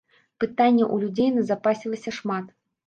Пытанняў у людзей назапасілася шмат.